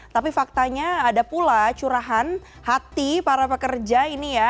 tapi faktanya ada pula curahan hati para pekerja ini ya